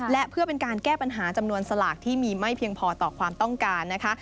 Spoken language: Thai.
และเพื่อเป็นการแก้ปัญหาจำนวนสลากที่มีไม่เพียงพอต่อความต้องการนะคะ